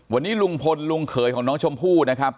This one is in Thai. วันนี้ลุงพลลุงเขยของน้องชมพู่นะครับ